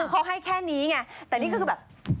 เขาให้แค่นี้ไงแต่นี่ก็คือแบบ